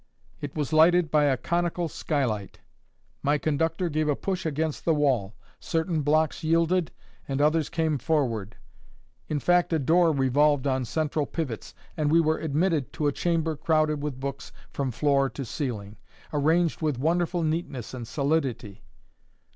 It was lighted by a conical skylight. My conductor gave a push against the wall. Certain blocks yielded, and others came forward. In fact a door revolved on central pivots, and we were admitted to a chamber crowded with books from floor to ceiling, arranged with wonderful neatness and solidity.